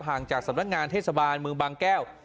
จากสำนักงานเทศบาลเมืองบางแก้ว